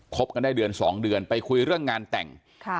บกันได้เดือน๒เดือนไปคุยเรื่องงานแต่ง